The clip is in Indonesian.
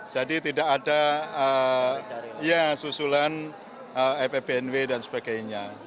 jadi tidak ada susulan epbnw dan sebagainya